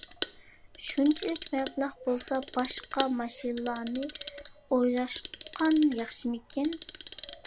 شۇنچىلىك مەبلەغ بولسا باشقا ماشىنىلارنى ئويلاشقان ياخشىمىكىن.